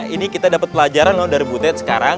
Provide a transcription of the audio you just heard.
ini kita dapat pelajaran dari butet sekarang